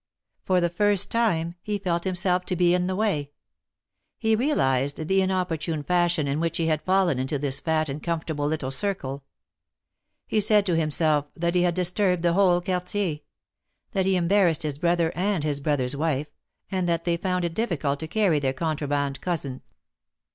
For the first time he felt himself to be in the way; he realized the inopportune fashion in which he had fallen into this fat and comfortable little circle. He said to himself that he had disturbed the whole Quartier — that he embarrassed his brother and his brother's wife, and that they found it difficult to carry their contraband cousin.